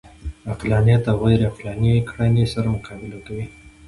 عقلانیت له غیرعقلاني کړنو سره مقابله کوي